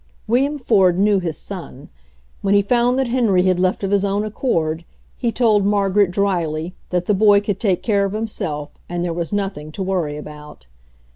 William Ford knew his son. When he found that Henry had left of his own accord he told Margaret dryly that the boy could take care of himself and there was nothing to worry about.